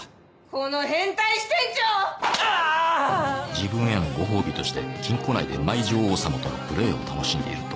自分へのご褒美として金庫内でマイ女王様とプレーを楽しんでいると